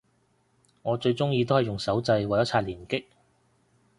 我最鍾意都係用手掣為咗刷連擊